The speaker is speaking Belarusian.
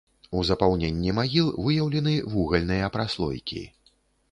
У запаўненні магіл выяўлены вугальныя праслойкі.